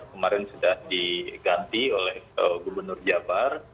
kemarin sudah diganti oleh gubernur jabar